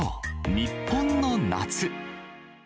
日本の夏。